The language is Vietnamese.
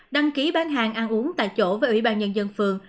đăng ký bán hàng ăn uống tại chỗ với ủy ban nhân dân phường